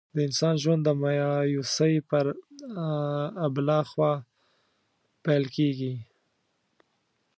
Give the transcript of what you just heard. د انسان ژوند د مایوسۍ پر آبله خوا پیل کېږي.